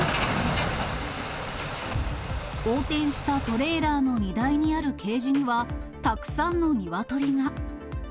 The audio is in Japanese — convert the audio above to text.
横転したトレーラーの荷台にあるケージにはたくさんのニワトリが。